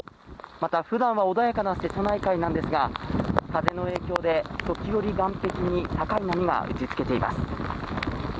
またふだんは穏やかな瀬戸内海なんですが、風の影響で時折、岸壁に高い波が打ちつけています。